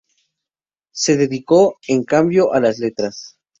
Se dedicó, en cambio, a las letras.